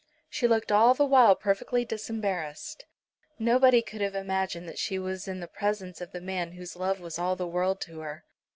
She looked all the while perfectly disembarrassed. Nobody could have imagined that she was in the presence of the man whose love was all the world to her.